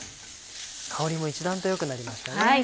香りも一段とよくなりましたね。